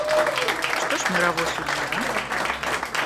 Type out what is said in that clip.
Что ж мировой судья?